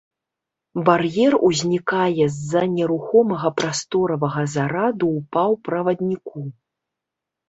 Бар'ер узнікае з-за нерухомага прасторавага зараду ў паўправадніку.